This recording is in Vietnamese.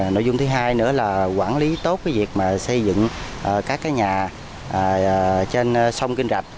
nội dung thứ hai nữa là quản lý tốt việc xây dựng các nhà trên sông kênh rạch